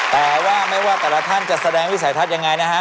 แต่ว่าไม่ว่าแต่ละท่านจะแสดงวิสัยทัศน์ยังไงนะฮะ